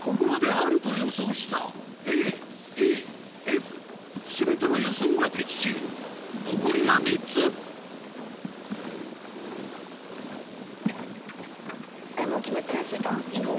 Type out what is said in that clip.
ここまであると予想したＡＥＦ全ての予想が的中残りは３つちーたんいいよ。